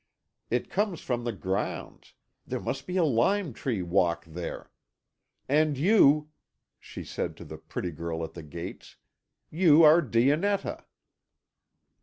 It comes from the grounds; there must be a lime tree walk there. And you," she said to the pretty girl at the gates, "you are Dionetta."